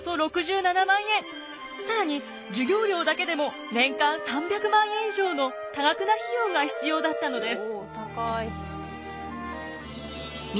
更に授業料だけでも年間３００万円以上の多額な費用が必要だったのです。